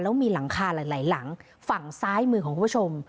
แล้วมีหลังคาหลายหลังฝั่งซ้ายมือของคุณผู้ชม